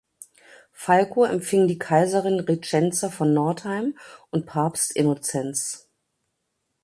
Falco empfing die Kaiserin Richenza von Northeim und Papst Innozenz.